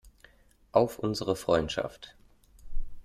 Auf unsere Freundschaft!